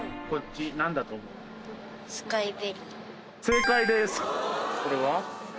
これは？